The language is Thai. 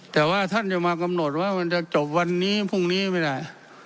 แต่ว่าท่านจะมากำหนดว่ามันจะจบวันนี้พรุ่งนี้ไม่ได้